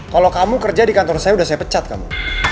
kalau kamu kerja di kantor saya udah saya pecat kamu